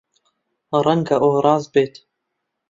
ڕەنگە ئەوە ڕاست بێت.